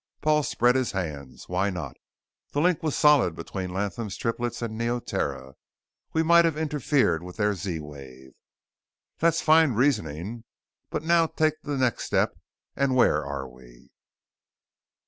Paul spread his hands. "Why not? The link was solid between Latham's Triplets and Neoterra. We might have interfered with their Z wave." "That's fine reasoning. But now take the next step and where are we?"